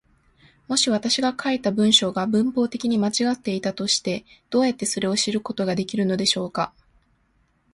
もし私が書いた文章が文法的に間違っていたとして、どうやってそれを知ることができるのでしょうか。